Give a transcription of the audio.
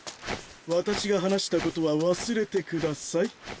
私が話したことは忘れてください。